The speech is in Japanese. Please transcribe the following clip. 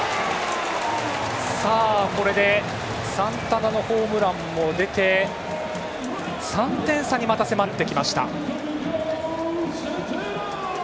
これでサンタナのホームランも出てまた３点差に迫ってきました。